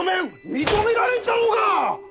認められんじゃろうが！